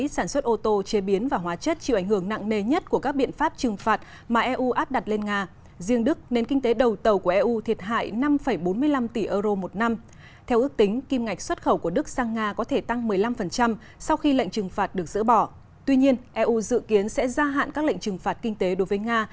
sau khi lệnh trừng phạt được dỡ bỏ tuy nhiên eu dự kiến sẽ gia hạn các lệnh trừng phạt kinh tế đối với nga